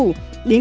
đến các cấp ngành